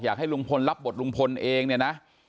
อยากให้ลุงพลรับบทลุงพลเองเนี่ยนะ